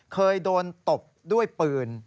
เคยโดนตบด้วยปืน